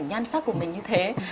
nhan sắc của mình như thế